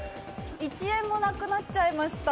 一円もなくなっちゃいました。